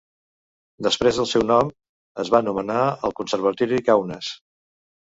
Després del seu nom, es va nomenar el conservatori Kaunas.